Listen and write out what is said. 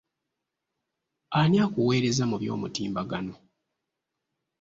Ani akuweereza mu by'omutimbagano?